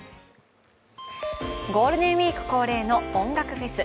ゴールデンウイーク恒例の音楽フェス。